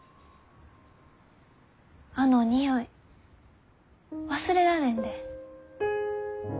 あの匂い忘れられんで。